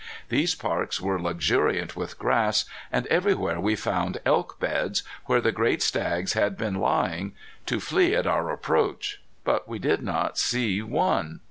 These parks were luxuriant with grass, and everywhere we found elk beds, where the great stags had been lying, to flee at our approach. But we did not see one.